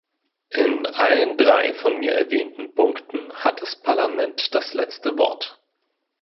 In allen drei von mir erwähnten Punkten hat das Parlament das letzte Wort.